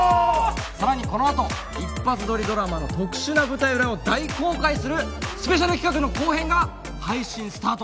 さらにこのあと一発撮りドラマの特殊な舞台裏を大公開するスペシャル企画の後編が配信スタート！